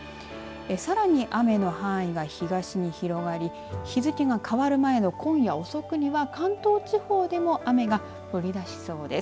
さらに雨の範囲が東に広がり日付が変わる前の今夜遅くには関東地方でも雨が降りだしそうです。